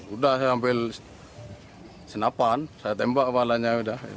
udah saya ambil senapan saya tembak kepalanya udah